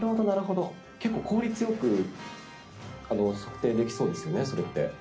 なるほど結構効率よく測定できそうですよねそれって。